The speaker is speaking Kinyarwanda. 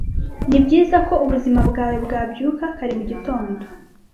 Nibyiza ko ubuzima bwawe bwabyuka kare mugitondo.